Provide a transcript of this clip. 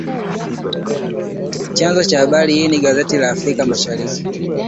Chanzo cha habari hii ni gazeti la Afrika Mashariki.